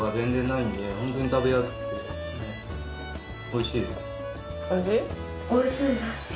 おいしいです。